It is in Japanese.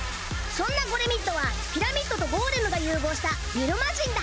そんなゴレミッドはピラミッドとゴーレムが融合した「ビルマジン」だ！